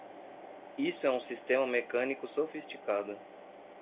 Isso é um sistema mecânico sofisticado!